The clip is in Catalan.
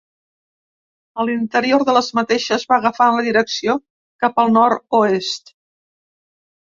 A l'interior de les mateixes va agafant la direcció cap al nord-oest.